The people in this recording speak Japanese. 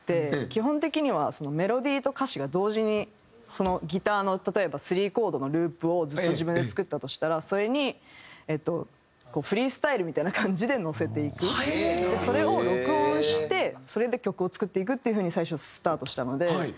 基本的にはメロディーと歌詞が同時にギターの例えばスリーコードのループをずっと自分で作ったとしたらそれにそれを録音してそれで曲を作っていくっていう風に最初スタートしたので。